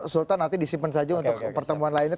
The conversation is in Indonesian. sultan nanti disimpan saja untuk pertemuan lainnya